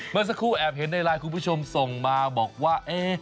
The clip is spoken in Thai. เมื่อสักครู่แอบเห็นในไลน์คุณผู้ชมส่งมาบอกว่า